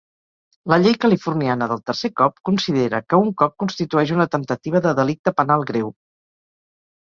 La llei californiana del tercer cop considera que un cop constitueix una temptativa de delicte penal greu.